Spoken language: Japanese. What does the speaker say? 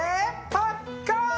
パッカーン！